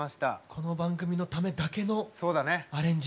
この番組のためだけのアレンジ。